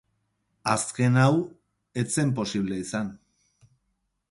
Azken hau, ez zen posible izan.